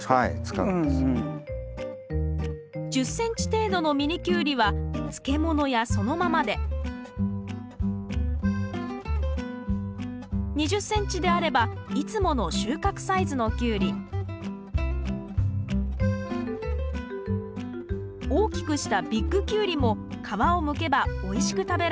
１０ｃｍ程度のミニキュウリは漬物やそのままで２０ｃｍであればいつもの収穫サイズのキュウリ大きくしたビッグキュウリも皮をむけばおいしく食べられるんです。